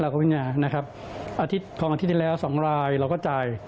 เราก็พิจารณานะครับของอาทิตย์ที่แล้ว๒รายเราก็จ่าย